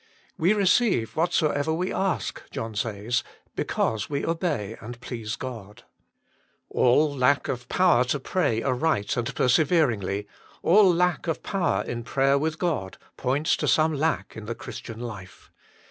We receive what soever we ask, John says, because we obey and please God. All lack of power to pray aright and perseveringly, all lack of power in prayer with God, points to some lack in the Christian life.